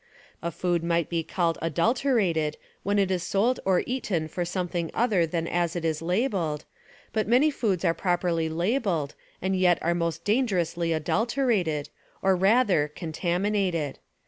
A food might be called adulterated when it is sold or eaten for something other than as it is labeled, but many foods are properly Purity labeled and yet are most dangerously adulterated, or rather contaminated.